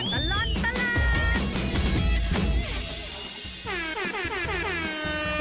ช่วงตลอดตลาด